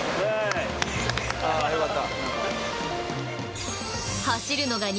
あよかった。